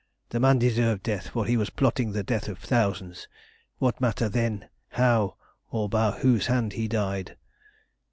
The man deserved death, for he was plotting the death of thousands. What matter then how or by whose hands he died?